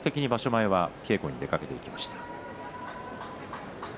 前稽古に出かけて行きました。